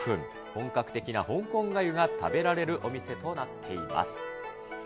本格的な香港がゆが食べられるお店となっています。